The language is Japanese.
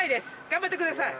頑張ってください！